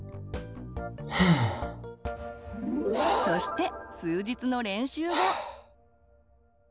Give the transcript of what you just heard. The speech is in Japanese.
そして数日の練習後。